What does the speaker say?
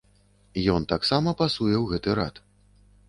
Ён таксама пасуе ў гэты рад.